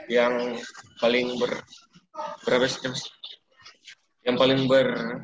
yang paling ber berapa siapa sih yang paling ber